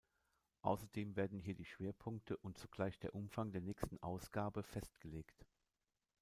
Außerdem werden hier die Schwerpunkte und zugleich der Umfang der nächsten Ausgabe festgelegt.